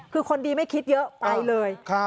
คือคนดีไม่คิดเยอะไปเลย